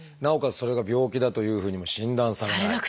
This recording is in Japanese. それが病気だというふうにも診断されない。